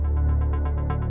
aku mau ke rumah